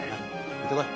行ってこい。